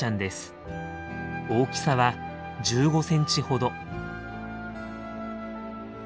大きさは１５センチほど。